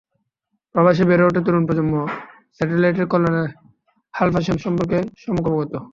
প্রবাসে বেড়ে ওঠা তরুণ প্রজন্ম স্যাটেলাইটের কল্যাণে হাল ফ্যাশন সম্পর্কে সম্যক অবগত।